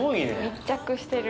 密着してる。